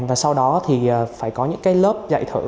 và sau đó thì phải có những cái lớp dạy thử